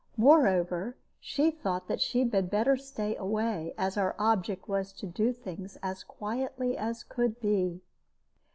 Moreover, she thought that she had better stay away, as our object was to do things as quietly as could be.